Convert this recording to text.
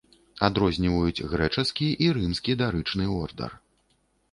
Адрозніваюць грэчаскі і рымскі дарычны ордар.